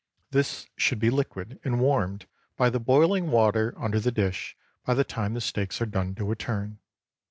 This should be liquid, and warmed by the boiling water under the dish by the time the steaks are done to a turn.